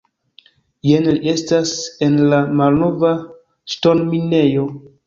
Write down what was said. Jen li estas, en la malnova, ŝtonminejo.